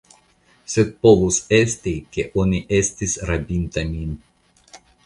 Sed povus esti, ke oni estis rabinta min.